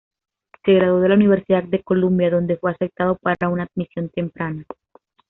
Se graduó de la Universidad de Columbia, donde fue aceptado para una admisión temprana.